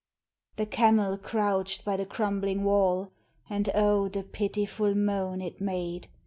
The camel crouched by the crumbling wall, And oh the pitiful moan it made!